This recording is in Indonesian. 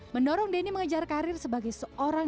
mendorong denny mengejar karir sebagai seorang